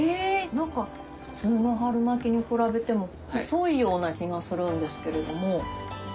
何か普通の春巻きに比べても細いような気がするんですけれども。